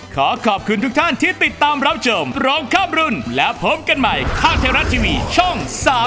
ขอขอบคุณทุกท่านที่ติดตามรับชมพร้อมข้ามรุ่นและพบกันใหม่ทางไทยรัฐทีวีช่อง๓๒